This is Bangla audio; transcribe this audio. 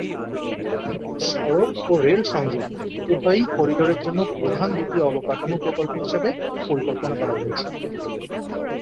সড়ক ও রেল সংযোগ উভয়ই করিডোরের জন্য দুটি প্রধান অবকাঠামো প্রকল্প হিসাবে পরিকল্পনা করা হয়েছে।